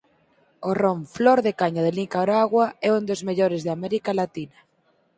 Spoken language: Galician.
O ron "Flor de Caña" de Nicaragua é un dos mellores de América Latina.